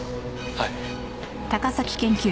はい。